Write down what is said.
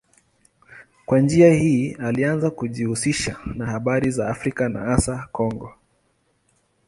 Kwa njia hii alianza kujihusisha na habari za Afrika na hasa Kongo.